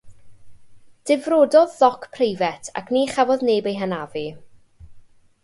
Difrododd ddoc preifat, ac ni chafodd neb eu hanafu.